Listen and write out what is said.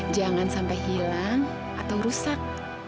jangan sampai hilang atau rusak